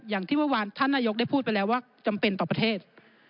อย่างที่เมื่อวานท่านนายกได้พูดไปแล้วว่าจำเป็นต่อประเทศ